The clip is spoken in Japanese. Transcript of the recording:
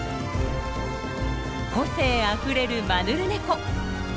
個性あふれるマヌルネコ。